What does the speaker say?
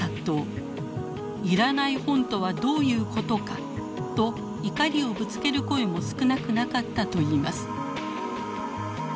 「いらない本とはどういうことか？」と怒りをぶつける声も少なくなかったといいます。